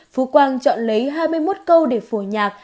phú quang chọn lấy hai mươi một câu để phổ nhạc